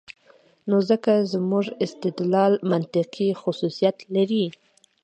نو ځکه زموږ استدلال منطقي خصوصیت لري.